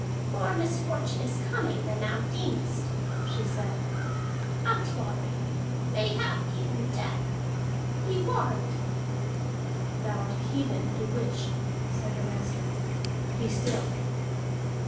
"More misfortune is coming than thou deemest," she said. "Outlawry. Mayhap even death. Be warned!" "Thou art a heathen and a witch," said her master. "Be still!"